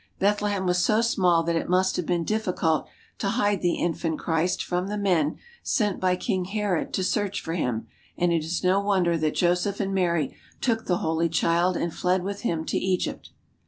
Bethlehem was so small that it must have been difficult to hide the infant Christ from the men sent by King Herod to search for Him, and it is no wonder that Joseph and Mary took the Holy Child and fled with Him to Egypt.